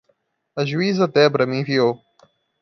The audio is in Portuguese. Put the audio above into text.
A juíza Debra me enviou.